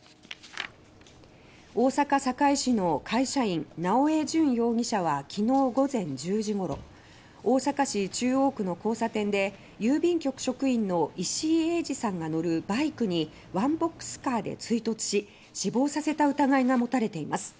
大阪・堺市の会社員直江潤容疑者はきのう午前１０時ごろ大阪市中央区の交差点で郵便局職員の石井英次さんが乗るバイクにワンボックスカーで追突し死亡させた疑いが持たれています。